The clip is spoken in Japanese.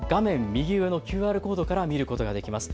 右上のＱＲコードから見ることができます。